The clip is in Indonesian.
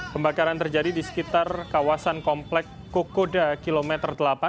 pembakaran terjadi di sekitar kawasan komplek kokoda kilometer delapan